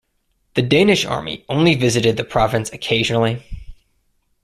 The Danish army only visited the province occasionally.